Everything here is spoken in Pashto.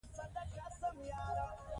زه د دوستانو سره ګډ فعالیتونه غوره ګڼم.